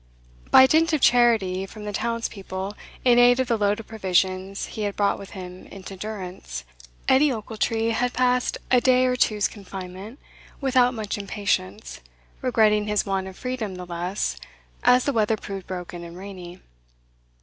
By dint of charity from the town's people in aid of the load of provisions he had brought with him into durance, Edie Ochiltree had passed a day or two's confinement without much impatience, regretting his want of freedom the less, as the weather proved broken and rainy.